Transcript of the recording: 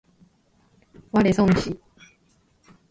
我孫子